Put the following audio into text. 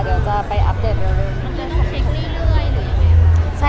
เดี๋ยวจะไปอัปเดตเรื่อย